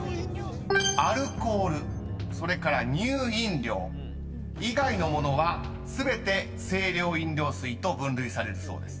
［アルコールそれから乳飲料以外の物は全て清涼飲料水と分類されるそうです］